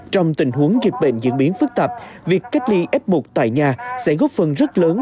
trong tình huống dịch bệnh diễn biến phức tạp việc cách ly f một tại nhà sẽ góp phần rất lớn